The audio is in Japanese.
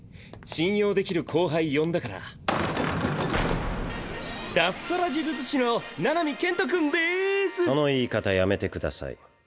信用できる後輩呼んだから脱サラ呪術師の七海建人君でその言い方やめてください